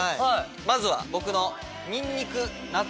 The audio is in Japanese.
まずは僕の。